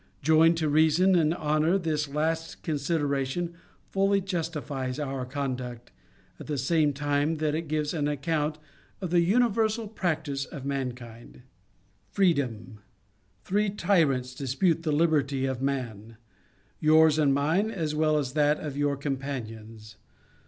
Joined to reason and honor, this last consideration fully justifies our conduct, at the same time that it gives an account of the universal practice of mankind. 22* 258 The Sign of the Cross Freedom. Three tyrants dispute the lib erty of man ; yours and mine as well as that of your companions.